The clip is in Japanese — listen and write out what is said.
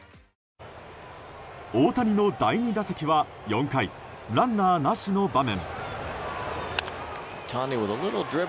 大谷の第２打席は４回ランナーなしの場面。